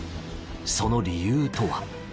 その理由とは？